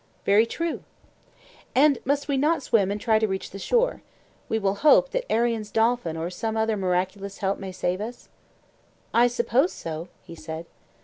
Very true. And must not we swim and try to reach the shore: we will hope that Arion's dolphin or some other miraculous help may save us? I suppose so, he said.